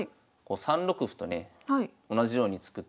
３六歩とね同じように突くと